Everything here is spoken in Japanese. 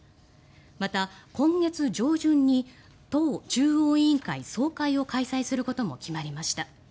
また、今月上旬に党中央委員会総会を開催することも決まりました。